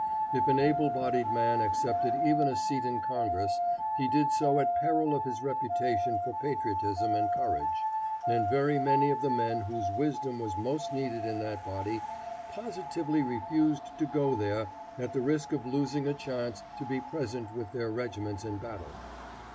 If an able bodied man accepted even a seat in Congress, he did so at peril of his reputation for patriotism and courage, and very many of the men whose wisdom was most needed in that body positively refused to go there at the risk of losing a chance to be present with their regiments in battle.